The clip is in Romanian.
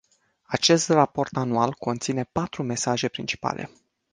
Acest raport anual conține patru mesaje principale.